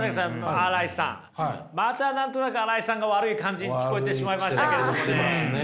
新井さんまた何となく新井さんが悪い感じに聞こえてしまいましたけれどもね。